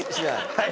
はい。